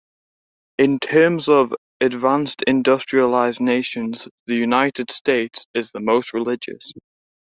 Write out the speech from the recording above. In terms of advanced industrialized nations, the United States is the most religious.